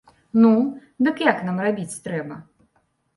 Ну, дык як нам рабіць трэба?!